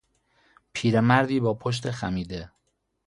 پیرمردی با پشت خمیده